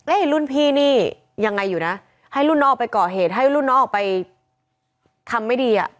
รุ่นพี่นี่ยังไงอยู่นะให้รุ่นน้องออกไปก่อเหตุให้รุ่นน้องออกไปทำไม่ดีอ่ะ